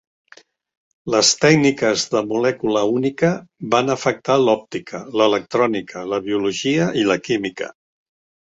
Les tècniques de molècula única van afectar l'òptica, l'electrònica, la biologia i la química.